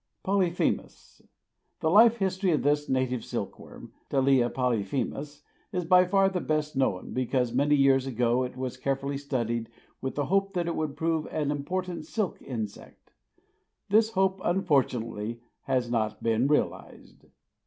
Polyphemus. The life history of this native silk worm (Telea polyphemus) is by far the best known, because many years ago it was very carefully studied with the hope that it would prove an important silk insect. This hope unfortunately has not been realized.